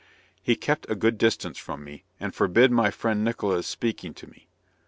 He kept at a good distance from me, and forbid my friend Nickola's speaking to me.